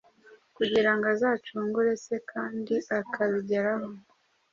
kugira ngo azacungure se kandi akabigeraho.